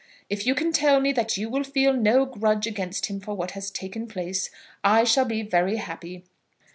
If you can tell me that you will feel no grudge against him for what has taken place, I shall be very happy.